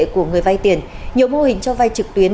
của người vay tiền nhiều mô hình cho vay trực tuyến